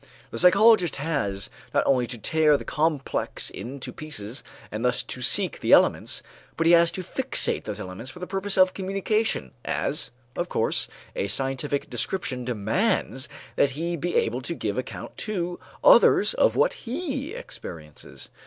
The psychologist has not only to tear the complex into pieces and thus to seek the elements, but he has to fixate those elements for the purpose of communication, as, of course, a scientific description demands that he be able to give account to others of what he experiences.